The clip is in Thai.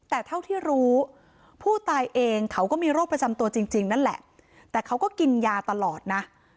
แต่เท่าที่รู้ผู้ตายเองเขาก็มีโรคประจำตัวจริงนั่นแหละแต่เขาก็กินยาตลอดนะ